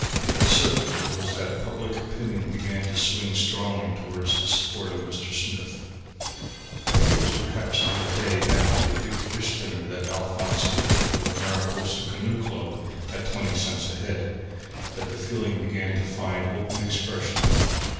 But certain it was that public opinion began to swing strongly towards the support of Mr. Smith. I think it was perhaps on the day after the big fish dinner that Alphonse cooked for the Mariposa Canoe Club (at twenty cents a head) that the feeling began to find open expression.